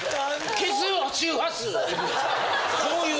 消す周波数をこういう。